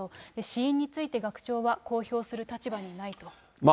死因について、学長は公表する立場にないと。